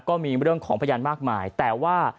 ก็มีเรื่องของพยานมากมายแต่ว่า